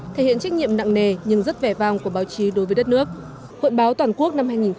thể hiện trách nhiệm nặng nề nhưng rất vẻ vang của báo chí đối với đất nước